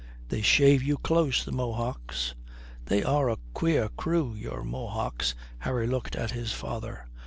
They shave you close, the Mohocks." "They are a queer crew, your Mohocks." Harry looked at his father.